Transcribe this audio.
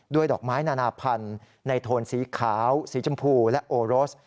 ดอกไม้นานาพันธุ์ในโทนสีขาวสีชมพูและโอรส